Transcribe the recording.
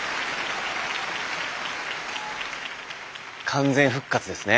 完全復活ですね！